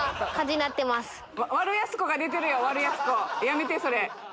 やめてそれ。